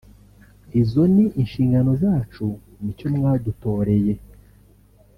izo ni inshingano zacu nicyo mwadutoreye